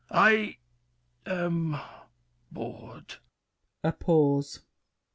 I am bored. [A pause.